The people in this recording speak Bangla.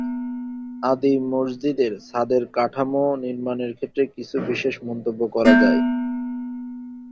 আদি মসজিদের ছাদের কাঠামো নির্মাণের ক্ষেত্রে কিছু বিশেষ মন্তব্য করা যায়।